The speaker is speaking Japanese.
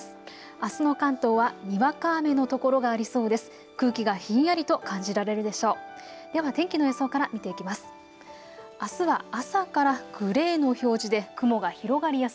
あすの関東はにわか雨の所がありそうです。